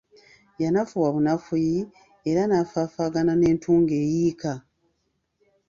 Yanafuwa bunafuyi, era nafaafaagana ng'entungo eyiika.